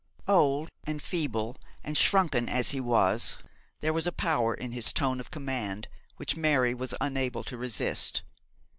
Old and feeble and shrunken as he was, there was a power in his tone of command which Mary was unable to resist.